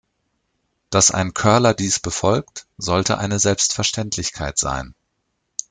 Dass ein Curler dies befolgt, sollte eine Selbstverständlichkeit sein.